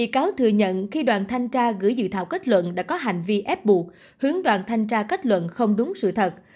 bị cáo thừa nhận khi đoàn thanh tra gửi dự thảo kết luận đã có hành vi ép buộc hướng đoàn thanh tra kết luận không đúng sự thật